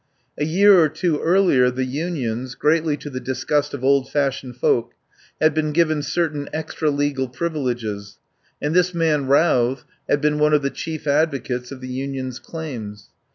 A year or two earlier the Unions, greatly to the disgust of old fashioned folk, had been given certain extra legal privileges, and this man Routh had been one of the chief advo cates of the Unions' claims.